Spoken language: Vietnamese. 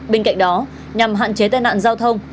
bên cạnh đó nhằm hạn chế tai nạn giao thông